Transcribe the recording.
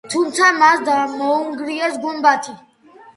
თუმცა მას მოანგრიეს გუმბათი.